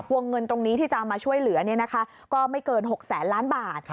วงเงินตรงนี้ที่จะมาช่วยเหลือก็ไม่เกิน๖แสนล้านบาท